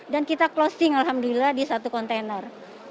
dan kita closing alhamdulillah di satu kontainer